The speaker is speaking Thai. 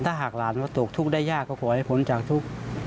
ถ้าหากหลานว่าตกทุกข์ได้ยากก็ขอให้พ้นจากทุกข์